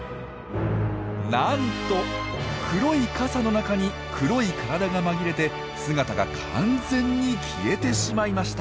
なんと黒い傘の中に黒い体が紛れて姿が完全に消えてしまいました！